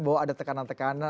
bahwa ada tekanan tekanan